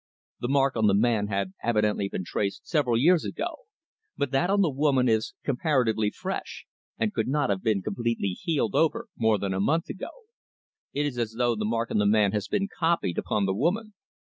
The mark on the man had evidently been traced several years ago, but that on the woman is comparatively fresh, and could not have completely healed over more than a month ago. It is as though the mark on the man has been copied upon the woman."